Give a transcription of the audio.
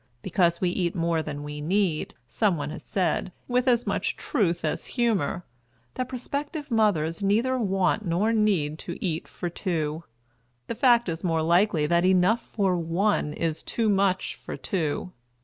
Because we eat more than we need, someone has said, with as much truth as humor, that prospective mothers "neither want nor need to eat for two. The fact is more likely that enough for one is too much for two."